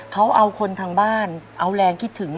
เขาเอาคนทางบ้านเอาแรงคิดถึง